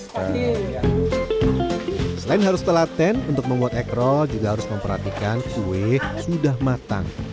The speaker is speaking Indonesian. selain harus telaten untuk membuat egrol juga harus memperhatikan kue sudah matang